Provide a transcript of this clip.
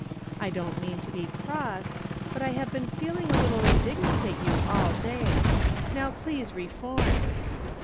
I don't mean to be cross, but I have been feeling a little indignant at you all day. Now please reform.